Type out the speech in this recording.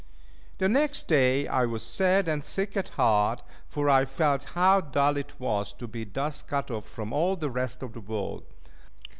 The next day I was sad and sick at heart, for I felt how dull it was to be thus cut off from all the rest of the world.